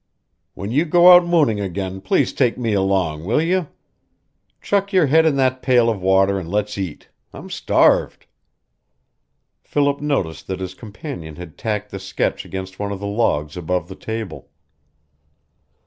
"When you go out mooning again please take me along, will you? Chuck your head in that pail of water and let's eat. I'm starved." Philip noticed that his companion had tacked the sketch against one of the logs above the table.